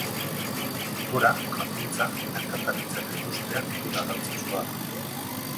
Kultura, jakintza, merkataritza eta industria hiri garrantzitsua da.